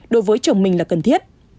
đối với chồng mình là cần thiết